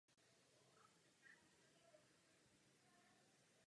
Koryto je místy nestálé.